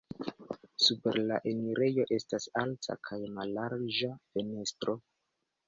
Super la enirejo estas alta kaj mallarĝa fenestro.